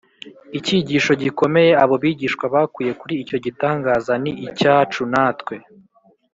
icyigisho gikomeye abo bigishwa bakuye kuri icyo gitangaza ni icyacu natwe